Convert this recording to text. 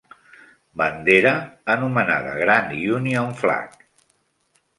Bandera, anomenada Grand Union Flag.